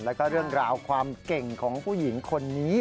แล้วก็เรื่องราวความเก่งของผู้หญิงคนนี้